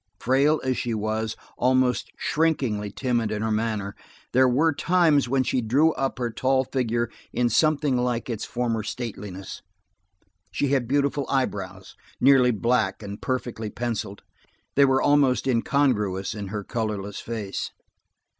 Frail as she was, almost shrinkingly timid in her manner; there were times when she drew up her tall figure in something like its former stateliness. She had beautiful eyebrows, nearly black and perfectly penciled; they were almost incongruous in her colorless face.